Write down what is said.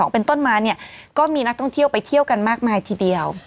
เป็นต้นมาเนี่ยก็มีนักท่องเที่ยวไปเที่ยวกันมากมายทีเดียว